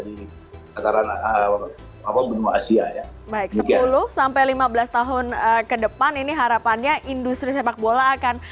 di ataran apa benua asia ya baik sepuluh lima belas tahun kedepan ini harapannya industri sepak bola akan